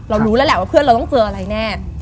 รู้แล้วแหละว่าเพื่อนเราต้องเจออะไรแน่